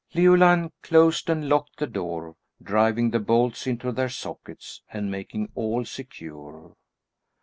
Leoline closed and locked the door, driving the bolts into their sockets, and making all secure.